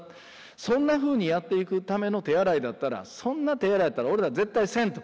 そんなふうにやっていくための手洗いだったらそんな手洗いやったら俺ら絶対せんと。